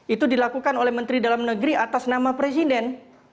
itu dilakukan oleh menteri dalam negeri atas nama presiden